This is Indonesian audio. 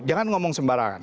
jangan ngomong sembarangan